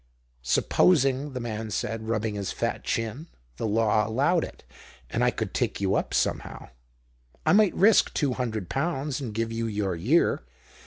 " Supposing," the man said, rubbing his fat chin, " the law allowed it and I could tic you up somehow : I might risk two hundred pounds and give you your year.